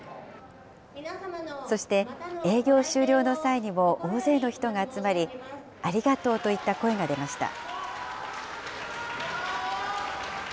そして、営業終了の際にも大勢の人が集まり、ありがとうといった声が出ました。